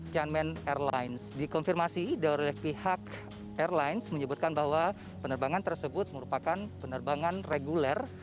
janman airlines dikonfirmasi oleh pihak airlines menyebutkan bahwa penerbangan tersebut merupakan penerbangan reguler